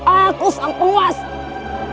aku sang penguasa